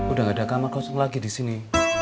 udah gak ada kamar kosong lagi di sini